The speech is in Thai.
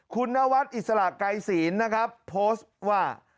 คุณนวัดอิสระไกรศีลนะครับโพสต์ว่า